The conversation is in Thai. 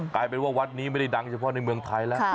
กลายเป็นว่าวัดนี้ไม่ได้ดังเฉพาะในเมืองไทยแล้ว